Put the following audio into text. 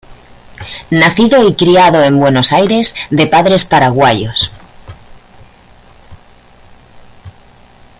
Nacido y criado en Buenos Aires, de padres paraguayos.